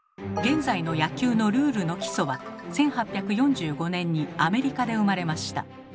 現在の野球のルールの基礎は１８４５年にアメリカで生まれました。